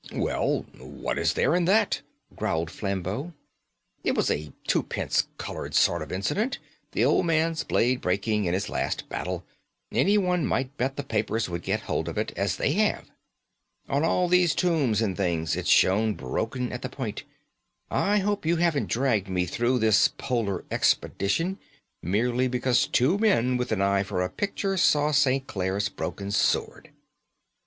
"Well, what is there in that?" growled Flambeau; "it was a twopence coloured sort of incident; the old man's blade breaking in his last battle. Anyone might bet the papers would get hold of it, as they have. On all these tombs and things it's shown broken at the point. I hope you haven't dragged me through this Polar expedition merely because two men with an eye for a picture saw St. Clare's broken sword."